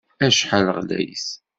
Acḥal ɣlayet!